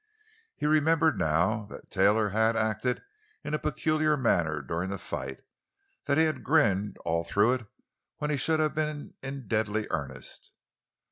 He remembered now, that Taylor had acted in a peculiar manner during the fight; that he had grinned all through it when he should have been in deadly earnest.